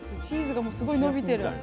チーズがもうすごいのびてる。